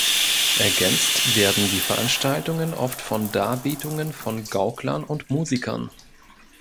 Ergänzt werden die Veranstaltungen oft von Darbietungen von Gauklern und Musikern.